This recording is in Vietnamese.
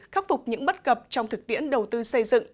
khắc phục những bất cập trong thực tiễn đầu tư xây dựng